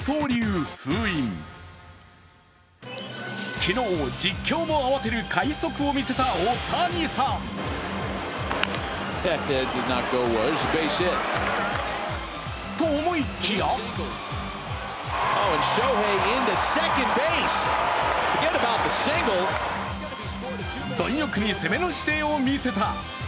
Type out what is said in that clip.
昨日、実況も慌てる快足を魅せたオオタニさん。と思いきや貪欲に攻めの姿勢を見せた。